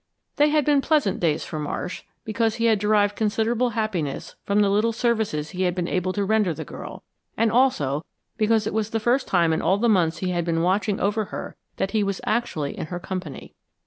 They had been pleasant days for Marsh, because he had derived considerable happiness from the little services he had been able to render the girl, and also because it was the first time in all the months he had been watching over her that he was actually in her company.